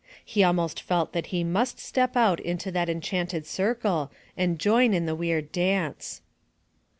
He almost felt that he must step out into that enchanted circle and join in the weird dance.